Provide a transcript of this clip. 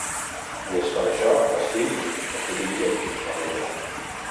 I és per això que estic, estic inquiet, va riure.